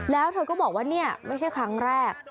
แล้วเธอก็บอกว่านี่ไม่ใช่ครั้งแรก